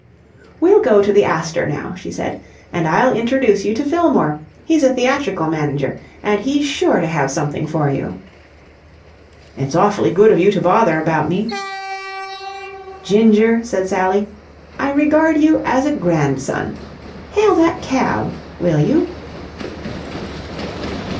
"We'll go to the Astor now," she said, "and I'll introduce you to Fillmore. He's a theatrical manager and he's sure to have something for you." "It's awfully good of you to bother about me." "Ginger," said Sally, "I regard you as a grandson. Hail that cab, will you?"